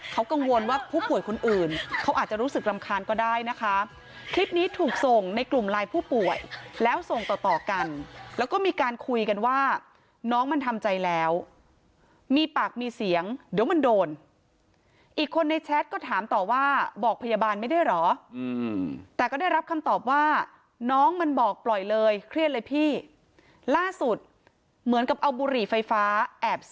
เขากังวลว่าผู้ป่วยคนอื่นเขาอาจจะรู้สึกรำคาญก็ได้นะคะคลิปนี้ถูกส่งในกลุ่มไลน์ผู้ป่วยแล้วส่งต่อต่อกันแล้วก็มีการคุยกันว่าน้องมันทำใจแล้วมีปากมีเสียงเดี๋ยวมันโดนอีกคนในแชทก็ถามต่อว่าบอกพยาบาลไม่ได้เหรอแต่ก็ได้รับคำตอบว่าน้องมันบอกปล่อยเลยเครียดเลยพี่ล่าสุดเหมือนกับเอาบุหรี่ไฟฟ้าแอบส